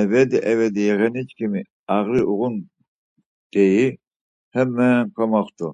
Evedi evedi yeğenişǩimi ağri uğun, deyi hemmen komoxt̆u.